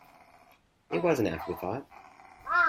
It was an afterthought.